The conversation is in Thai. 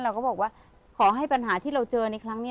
เราก็บอกว่าขอให้ปัญหาที่เราเจอในครั้งนี้